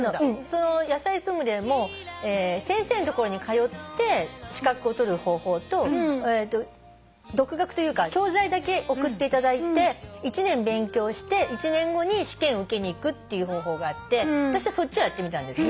その野菜ソムリエも先生の所に通って資格を取る方法と独学というか教材だけ送っていただいて１年勉強して１年後に試験を受けに行くって方法があって私はそっちをやってみたんです。